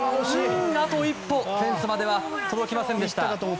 あと一歩フェンスまでは届きませんでした。